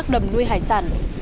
các đầm nuôi hải sản